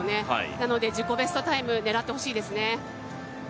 なので自己ベスト狙ってほしいですね。